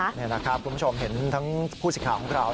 นี่นะครับคุณผู้ชมเห็นทั้งผู้สิทธิ์ของเรา